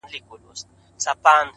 ماته ژړا نه راځي کله چي را یاد کړم هغه،